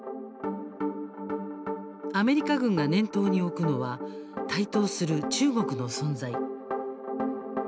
アメリカ軍が念頭に置くのは台頭する中国の存在。